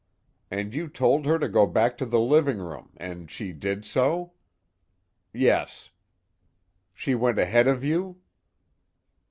"And you told her to go back to the living room, and she did so?" "Yes." "She went ahead of you?"